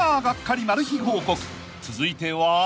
［続いては］